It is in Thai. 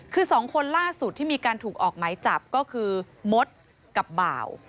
คือ๒คนล่าสุดที่มีการถูกออกหมายจับก็คือมดกับบ่าว